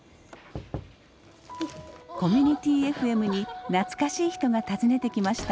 コミュニティＦＭに懐かしい人が訪ねてきました。